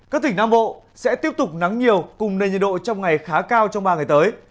các tỉnh nam bộ sẽ tiếp tục nắng nhiều cùng nền nhiệt độ trong ngày khá cao trong ba ngày tới